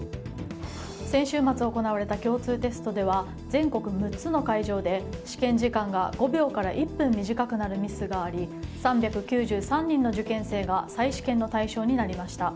先週末行われた共通テストでは全国６つの会場で試験時間が５秒から１分短くなるミスがあり３９３人の受験生が再試験の対象になりました。